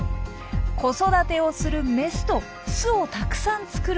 子育てをするメスと巣をたくさん作るオス。